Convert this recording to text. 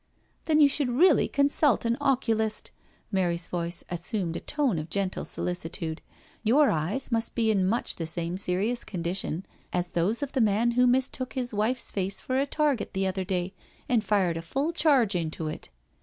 " Then you should really consult an oculist "—Mary's voice assumed a tone of gentle solicitude —" your eyes must be in much the same serious condition as those of the man who mistook his wife's face for a target the other day, and fired a full charge into it."